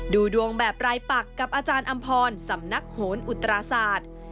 ดูดวงแบบรายปักกับอาจารย์อำพรสำนักโหนอุตราศาสตร์